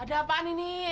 ada apaan ini